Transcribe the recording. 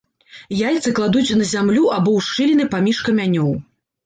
Яйцы кладуць на зямлю або ў шчыліны паміж камянёў.